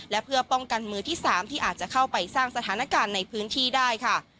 และเพื่อป้องกันมือที่๓ที่อาจจะเข้าไปสร้างสถานการณ์ในพื้นที่ได้ค่ะ